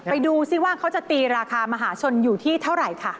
ดูสิว่าเขาจะตีราคามหาชนอยู่ที่เท่าไหร่ค่ะ